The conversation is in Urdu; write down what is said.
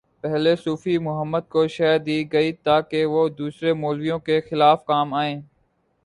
پہلے صوفی محمد کو شہ دی گئی تاکہ وہ دوسرے مولویوں کے خلاف کام آئیں۔